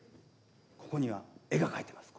ここには絵が描いてます。